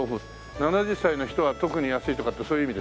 ７０歳の人は特に安いとかってそういう意味ですか？